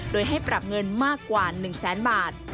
โดยให้ปรับเงินมากกว่า๑แสนบาท